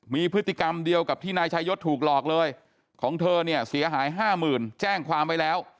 มีพฤติกรรมเดียวกับที่นายชายศถูกหลอกเลยของเธอเนี่ยเสียหายห้าหมื่นแจ้งความไว้แล้ว